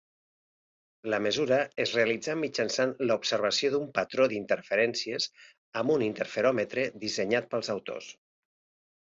La mesura es realitzà mitjançant l'observació d'un patró d'interferències amb un interferòmetre dissenyat pels autors.